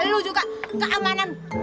lu juga keamanan